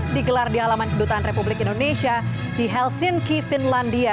digelar di halaman kedutaan republik indonesia di helsinki finlandia